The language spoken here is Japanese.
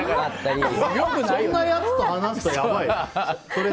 そんなやつと話すのやばいよ。